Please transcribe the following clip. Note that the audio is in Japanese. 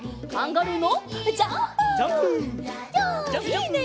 いいね！